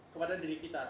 kepada diri kita